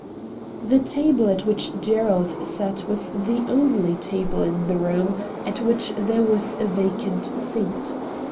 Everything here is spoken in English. The table at which Gerald sat was the only table in the room at which there was a vacant seat.